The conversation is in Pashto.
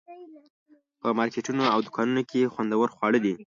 په مارکیټونو او دوکانونو کې خوندور خواړه دي.